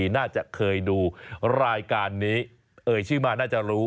น่าจะเคยดูรายการนี้เอ่ยชื่อมาน่าจะรู้